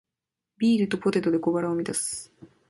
ビールとポテトで小腹を満たす